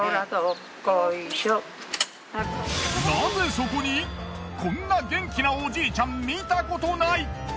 その後こんな元気なおじいちゃん見たことない。